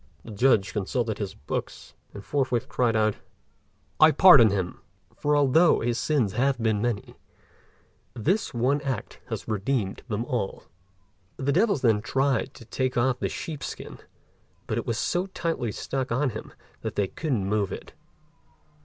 The Judge consulted his books, and forthwith cried out, "I pardon him; for although his sins have been many, this one act has redeemed them all." The devils then tried to take off the sheep's skin, but it was so tightly stuck on him that they couldn't move it.